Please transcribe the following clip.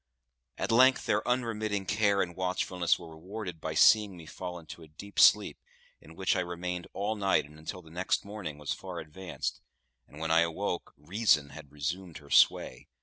At length their unremitting care and watchfulness were rewarded by seeing me fall into a deep sleep, in which I remained all night and until the next morning was far advanced; and when I awoke, reason had resumed her sway.